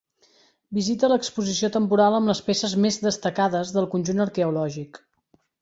Visita l'exposició temporal amb les peces més destacades del conjunt arqueològic.